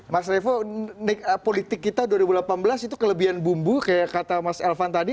mas revo politik kita dua ribu delapan belas itu kelebihan bumbu kayak kata mas elvan tadi